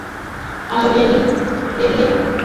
আসো, ডেমিয়েন!